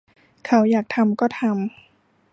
เขาอยากทำก็ทำ